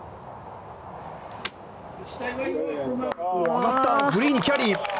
上がった、グリーンにキャリー。